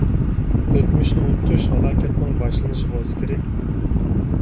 ئۆتمۈشنى ئۇنتۇش ھالاكەتنىڭ باشلىنىشى بولسا كېرەك.